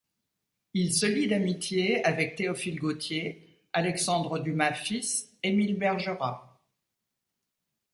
Il se lie d'amitié avec Théophile Gautier, Alexandre Dumas fils, Émile Bergerat.